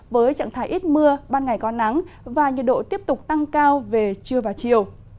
với trạng thái ít mưa ban ngày có nắng và nhiệt độ tiếp tục tăng cao về trưa và chiều